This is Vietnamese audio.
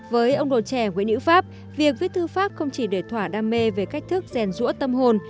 với ông đồn trẻ nữ pháp việc viết thư pháp không chỉ để thỏa đam mê về cách thức rèn rũa tâm hồn